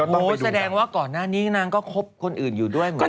แสดงว่าก่อนหน้านี้นางก็คบคนอื่นอยู่ด้วยเหมือนกัน